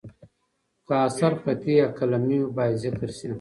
که اثر خطي یا قلمي وي، باید ذکر شي.